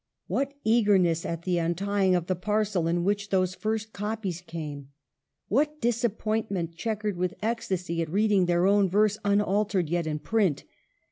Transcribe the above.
What eagerness at the untying of the parcel in which those first copies came ! What disap pointment, chequered with ecstasy, at reading their own verse, unaltered, yet in print